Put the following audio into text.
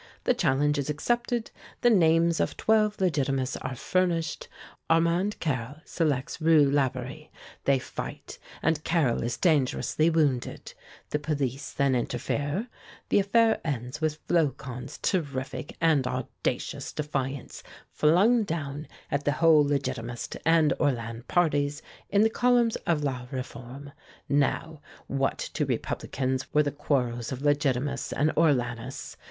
The challenge is accepted the names of twelve Legitimists are furnished Armand Carrel selects Roux Laborie they fight, and Carrel is dangerously wounded the police then interfere the affair ends with Flocon's terrific and audacious defiance flung down at the whole Legitimist and Orléans parties in the columns of 'La Réforme.' Now, what to Republicans were the quarrels of Legitimists and Orléanists?